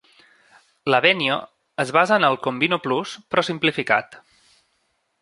L'Avenio es basa en el Combino Plus, però simplificat.